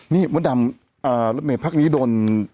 นี่มดำแบบในภาคนี้โดน